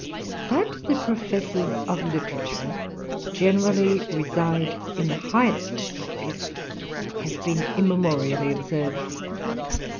That the professors of literature generally reside in the highest stories, has been immemorially observed.